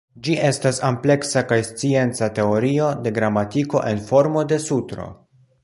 Ĝi estas ampleksa kaj scienca teorio de gramatiko en formo de sutro.